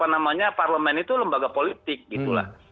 namanya parlemen itu lembaga politik gitu lah